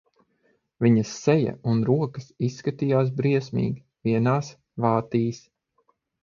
Viņas seja un rokas izskatījās briesmīgi, vienās vātīs.